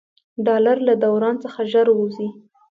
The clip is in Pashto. ډالر له دوران څخه ژر ووځي.